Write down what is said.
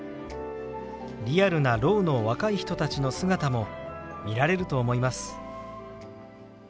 リアルなろうの若い人たちの姿も見られると思います。